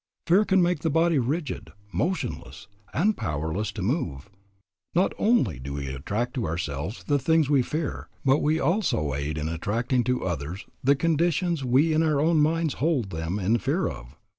Fear can make the body rigid, motionless, and powerless to move. Not only do we attract to ourselves the things we fear, but we also aid in attracting to others the conditions we in our own minds hold them in fear of.